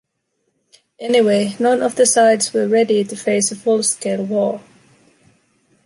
Anyway, none of the sides were ready to face a full-scale war.